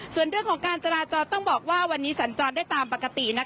ส่วนเรื่องของการจราจรต้องบอกว่าวันนี้สัญจรได้ตามปกติ